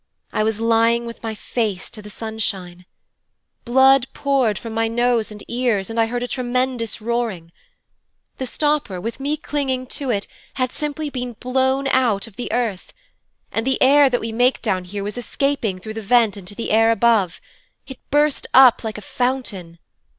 I was lying with my face to the sunshine. Blood poured from my nose and ears and I heard a tremendous roaring. The stopper, with me clinging to it, had simply been blown out of the earth, and the air that we make down here was escaping through the vent into the air above. It burst up like a fountain.